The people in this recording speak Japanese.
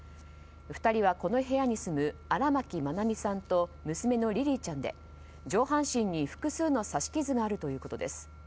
２人はこの部屋に住む荒牧愛美さんと娘のリリィちゃんで上半身に複数の刺し傷があるということです。